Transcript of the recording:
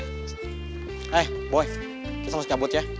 hey boy kita harus cabut ya